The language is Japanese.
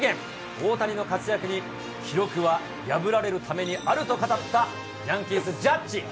大谷の活躍に、記録は破られるためにあると語ったヤンキース、ジャッジ。